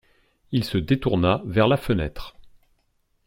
Il se détourna vers la fenêtre.